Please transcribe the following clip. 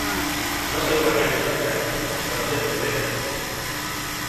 No soy un guardián espacial. Sólo soy un juguete .